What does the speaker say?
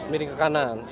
miring ke kanan